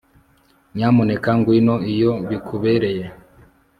Nyamuneka ngwino iyo bikubereye